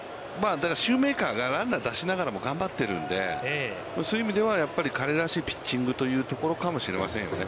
シューメーカーがランナーを出しながらも頑張ってるので、そういう意味では彼らしいピッチングというところかもしれませんよね。